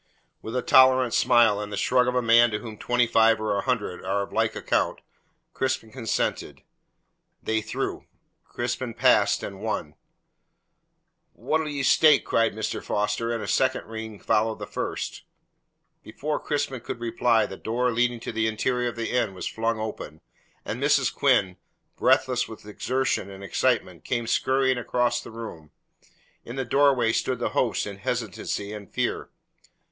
With a tolerant smile, and the shrug of a man to whom twenty five or a hundred are of like account, Crispin consented. They threw; Crispin passed and won. "What'll ye stake?" cried Mr. Foster, and a second ring followed the first. Before Crispin could reply, the door leading to the interior of the inn was flung open, and Mrs. Quinn, breathless with exertion and excitement, came scurrying across the room. In the doorway stood the host in hesitancy and fear.